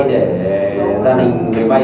để gia đình người vay